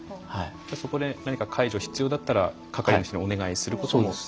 そこで介助が必要だったら係の人にお願いすることも。